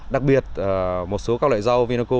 đặc biệt một số các loại rau vineco